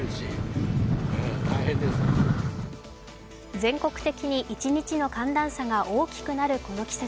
全国的に一日の寒暖差が大きくなるこの季節。